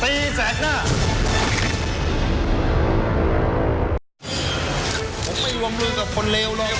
ผมไม่ลวงรืนกับคนเลว